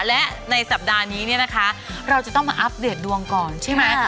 และในสัปดาห์นี้เนี่ยนะคะเราจะต้องมาอัปเดตดวงก่อนใช่ไหม